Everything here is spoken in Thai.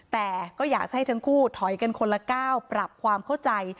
แต่ก็อยากให้ทั้งคู่ถอยกันคนละก้าวปรับความเข้าใจ